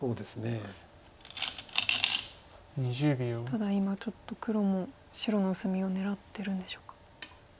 ただ今ちょっと黒も白の薄みを狙ってるんでしょうか。